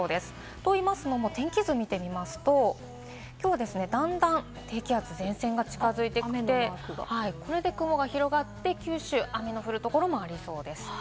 といいますのも、天気図を見てみますと、きょうだんだん、低気圧に前線が近づいてきてこれで雲が広がって九州は雨の降るところもありそうです。